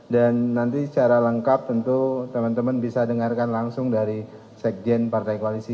dan nanti secara lengkap tentu teman teman bisa dengarkan langsung dari sekjen partai koalisi